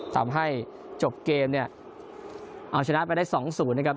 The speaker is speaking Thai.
ทำให้จบเกมเนี่ยเอาชนะไปได้๒๐นะครับ